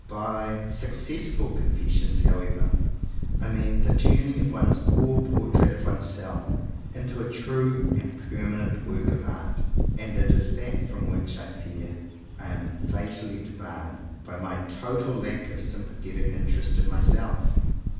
By "successful confessions," however, I mean the turning of one's poor portrait of oneself into a true and permanent work of art; and it is that from which I fear I am fatally debarred, by my total lack of sympa thetic interest in myself.